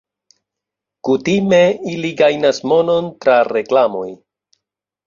Kutime ili gajnas monon tra reklamoj.